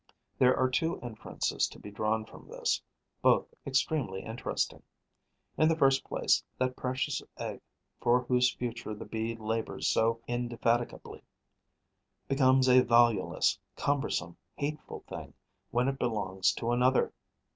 There are two inferences to be drawn from this, both extremely interesting. In the first place, that precious egg, for whose future the Bee labours so indefatigably, becomes a valueless, cumbersome, hateful thing when it belongs to another.